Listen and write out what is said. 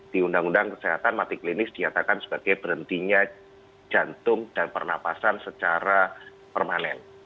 di undang undang kesehatan mati klinis diatakan sebagai berhentinya jantung dan pernafasan secara permanen